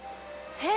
え？